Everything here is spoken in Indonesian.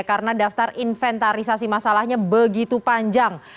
karena daftar inventarisasi masalahnya begitu panjang